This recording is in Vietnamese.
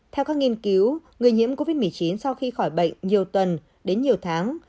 theo các nghiên cứu người nhiễm covid một mươi chín sau khi khỏi bệnh nhiều tuần đến nhiều tháng